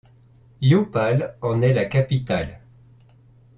Yopal en est la capitale.